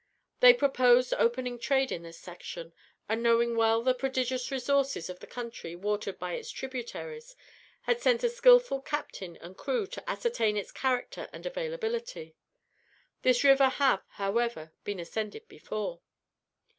They proposed opening trade in this section, and knowing well the prodigious resources of the country watered by its tributaries, had sent a skillful captain and crew to ascertain its character and availability. This river had, however, been ascended before.